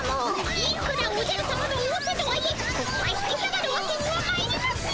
いくらおじゃるさまのおおせとはいえここは引き下がるわけにはまいりません！